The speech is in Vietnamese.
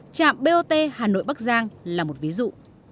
trạm bot hà nội bắc giang là một ví dụ